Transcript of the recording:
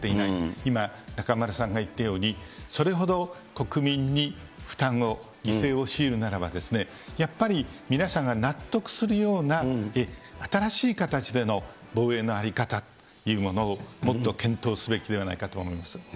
今、中丸さんが言ったように、それほど国民に負担を、犠牲を強いるならば、やっぱり皆さんが納得するような、新しい形での防衛の在り方というものを、もっと検討すべきではないかと思います。